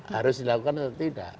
harus dilakukan atau tidak